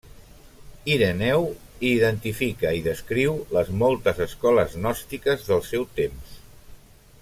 Ireneu hi identifica i descriu les moltes escoles gnòstiques del seu temps.